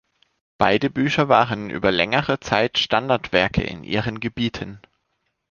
Beide Bücher waren über längere Zeit Standardwerke in ihren Gebieten.